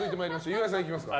岩井さん、行きますか。